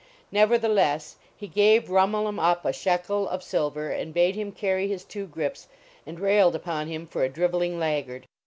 Neverthe less he gave Rhumul em Uhp a shekel of sil ver and bade him carry his two grips, and railed upon him for a driveling laggard.